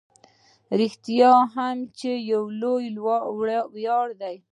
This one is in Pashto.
رښتیا هم چې لوی ویاړ دی.